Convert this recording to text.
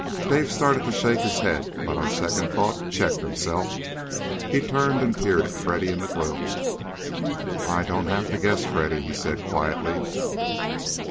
Dave started to shake his head, but on second thought checked himself. He turned and peered at Freddy in the gloom. "I don't have to guess, Freddy," he said quietly.